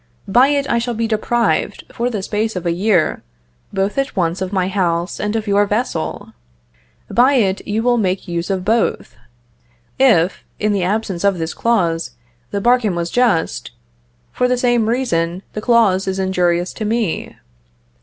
By it, I shall be deprived, for the space of a year, both at once of my house and of your vessel. By it, you will make use of both. If, in the absence of this clause, the bargain was just, for the same reason the clause is injurious to me.